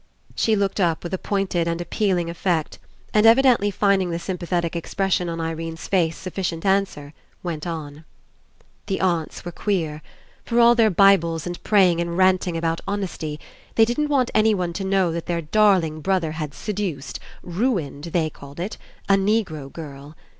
She looked up with a pointed and ap pealing effect, and, evidently finding the sympa thetic expression on Irene's face sufficient an swer, went on. "The aunts were queer. For all their Bibles and praying and ranting about honesty, they didn't want anyone to know that their darling brother had seduced — ruined, they called It — a Negro girl.